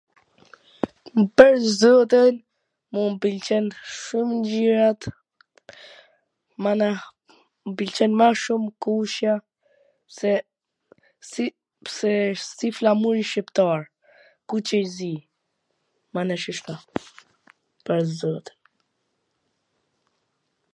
Pwr zotin, mu m pwlqejn shum ngjyrat, mana, mw pwlqen ma shum e kuqja, se si pse wsht si flamuri shqiptar, kuq i zi, mana, shishto, pash zotin.